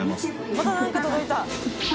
また何か届いた。